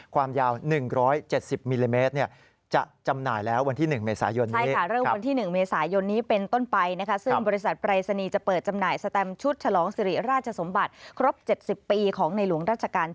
ความยาว๑๗๐มิลลิเมตร